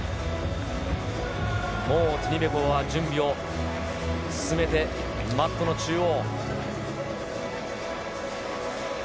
もうティニベコワは準備を進めてマットの中央。